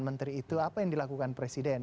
menteri itu apa yang dilakukan presiden